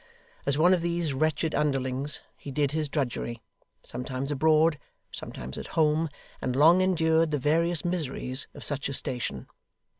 As one of these wretched underlings, he did his drudgery, sometimes abroad, sometimes at home, and long endured the various miseries of such a station.